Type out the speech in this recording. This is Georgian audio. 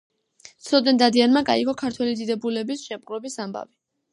ცოტნე დადიანმა გაიგო ქართველი დიდებულების შეპყრობის ამბავი.